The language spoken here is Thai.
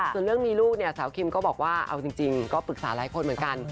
ส่วนเรื่องมีลูกเนี่ยสาวคิมก็บอกว่าเอาจริงก็ปรึกษาหลายคนเหมือนกัน